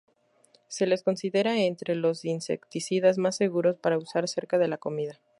Se les considera entre los insecticidas más seguros para usar cerca de la comida.